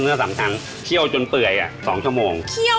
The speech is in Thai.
เนื้อสันทั้งเคี่ยวจนเปื่อยอ่ะ๒ชั่วโมง